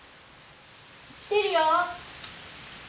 来てるよ！